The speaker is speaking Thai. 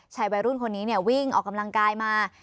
ชายวัยรุ่นคนนี้เนี่ยวิ่งออกกำลังกายมา